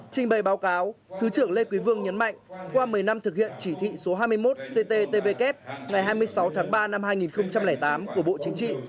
trình bày báo cáo thứ trưởng lê quý vương nhấn mạnh qua một mươi năm thực hiện chỉ thị số hai mươi một cttvk ngày hai mươi sáu tháng ba năm hai nghìn tám của bộ chính trị